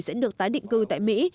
sẽ được tái định cư tại mỹ